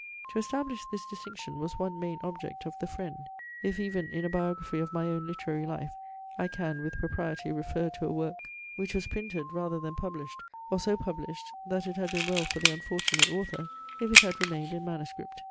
To establish this distinction was one main object of The Friend; if even in a biography of my own literary life I can with propriety refer to a work, which was printed rather than published, or so published that it had been well for the unfortunate author, if it had remained in manuscript.